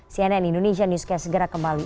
cnn indonesia newscast segera kembali